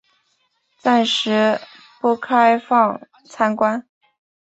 暂时不开放参观